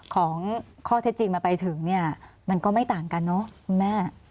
ของข้อเท็จจริงมันไปถึงเนี่ยมันก็ไม่ต่างกันเนอะคุณแม่